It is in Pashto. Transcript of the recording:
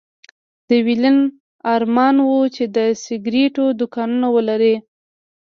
د ويلين ارمان و چې د سګرېټو دوکانونه ولري.